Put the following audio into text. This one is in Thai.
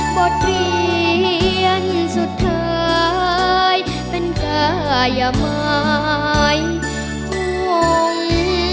บทเรียนสุดท้ายเป็นกายไม้ห่วงขอ